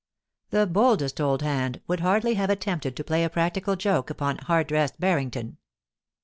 The boldest old hand would hardly have attempted to play a practical joke upon Hardress Harrington.